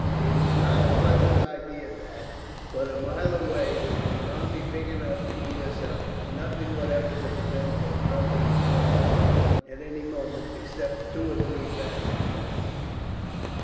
It is not a pleasant idea that, but a mile away, there is an army big enough to eat us up; and nothing whatever to prevent their pouncing upon us, at any moment, except two or three batteries.